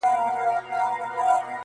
په خيال كي ستا سره ياري كومه.